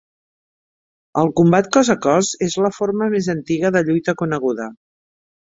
El combat cos a cos és la forma més antiga de lluita coneguda.